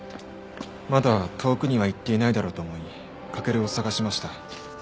まだ遠くには行っていないだろうと思い駆を捜しました。